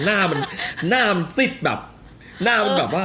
หน้ามันซิดแบบ